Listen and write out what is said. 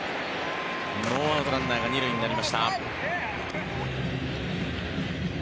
ノーアウトランナーが２塁になりました。